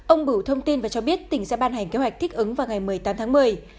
ông bửu thông tin và cho biết tỉnh sẽ ban hành kế hoạch thích ứng vào ngày một mươi tám tháng một mươi